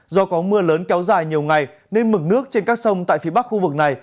do có mưa lớn kéo dài nhiều ngày nên mực nước trên các sông tại phía bắc khu vực này